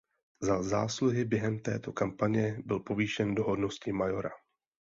Za zásluhy během této kampaně byl povýšen do hodnosti majora.